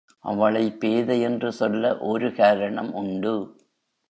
அவளைப் பேதை என்று சொல்ல ஒரு காரணம் உண்டு.